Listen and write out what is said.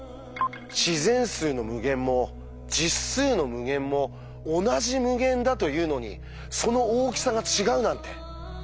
「自然数の無限」も「実数の無限」も同じ無限だというのにその大きさが違うなんて。